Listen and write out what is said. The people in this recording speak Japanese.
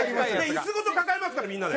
椅子ごと抱えますからみんなで。